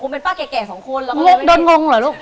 นี่มาจากตลาดหรอ